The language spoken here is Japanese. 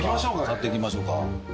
買ってきましょうか。